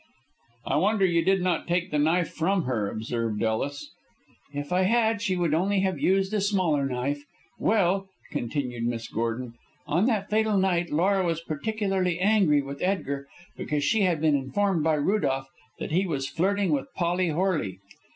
"I wonder you did not take the knife from her," observed Ellis. "If I had she would only have used a smaller knife. Well," continued Miss Gordon, "on that fatal night Laura was particularly angry with Edgar because she had been informed by Rudolph that he was flirting with Polly Horley.